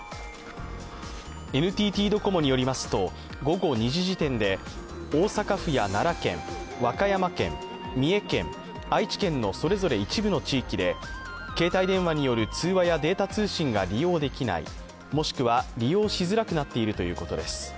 ＮＴＴドコモによりますと午後２時時点で大阪府や奈良県、和歌山県、三重県、愛知県のそれぞれ一部の地域で携帯電話による通話やデータ通信が利用できないもしくは利用しづらくなっているということです。